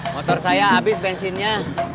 motor saya abis bensinnya